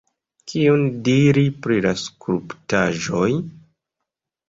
Kion diri pri la skulptaĵoj?